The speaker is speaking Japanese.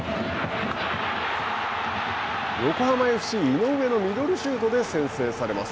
横浜ＦＣ井上のミドルシュートで先制されます。